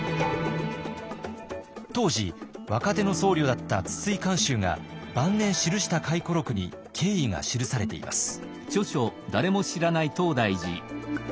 当時若手の僧侶だった筒井寛秀が晩年記した回顧録に経緯が記されています。